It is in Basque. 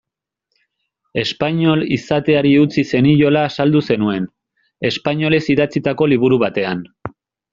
Espainol izateari utzi zeniola azaldu zenuen, espainolez idatzitako liburu batean.